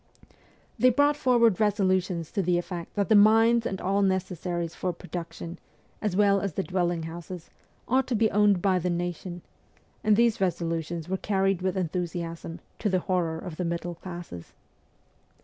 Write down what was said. They brought forward resolutions to the effect that the mines and all necessaries for pro duction, as well as the dwelling houses, ought to be owned by the nation ; and these resolutions were carried with enthusiasm, to the horror of the middle classes.